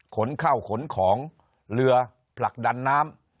ขนเข้าขนของเรือผลักดันน้ำ